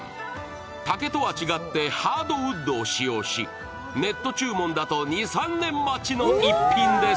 竹とは違ってハードウッドを使用し、ネット注文だと２３年待ちの逸品です。